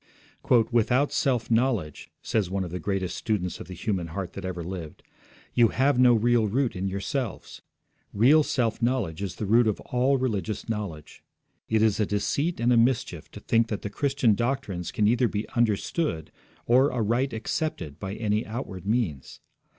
'Without self knowledge,' says one of the greatest students of the human heart that ever lived, 'you have no real root in yourselves. Real self knowledge is the root of all real religious knowledge. It is a deceit and a mischief to think that the Christian doctrines can either be understood or aright accepted by any outward means.